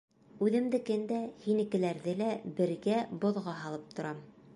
Үҙемдекен дә, һинекеләрҙе лә бергә боҙға һалып торам.